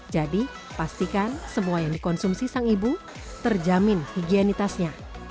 jadi pastikan semua yang dikonsumsi sang ibu terjamin higienitasnya